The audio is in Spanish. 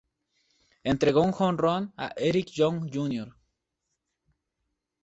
Entregó un jonrón a Eric Young, Jr.